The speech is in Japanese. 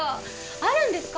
あるんですか？